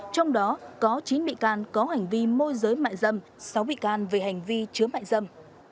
trong đó có chín bị can có hành vi môi giới mại dâm sáu bị can về hành vi chứa mại dâm